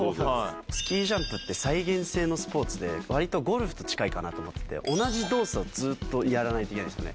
スキージャンプって、再現性のスポーツで、わりとゴルフと近いかなと思ってて、同じ動作をずっとやらないといけないんですよね。